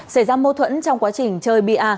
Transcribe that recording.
xảy ra mâu thuẫn trong quá trình chơi pa